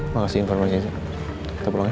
makasih informasinya kita pulang ya